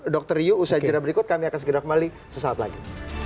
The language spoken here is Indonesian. dokter yu usai cerah berikut kami akan segera kembali sesaat lagi